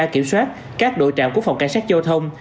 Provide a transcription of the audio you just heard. kiểm soát các đội trạm của phòng cảnh sát giao thông